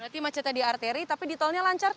berarti macetnya di arteri tapi di tolnya lancar